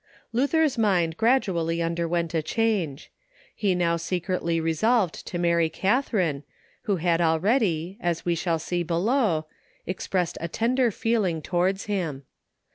Luther's mind gradually underwent a change. He now secretly resolved to marry Catharine, who had already, as we shall see below, expressed a tender feeling towards him.